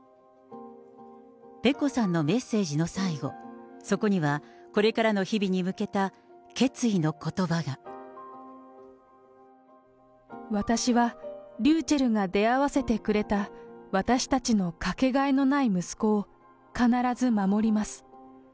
ペコさんのメッセージの最後、そこには、これからの日々に向けた私は、りゅうちぇるが出会わせてくれた私たちの掛けがえのない息子を必ず守ります。